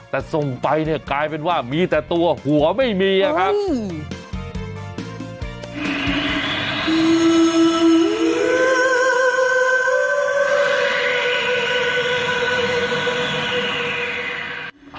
แต่ส่งไปเนี่ยกลายเป็นว่ามีแต่ตัวหัวไม่มีอะครับ